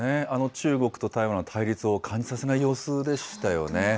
中国と台湾、対立を感じさせない様子でしたよね。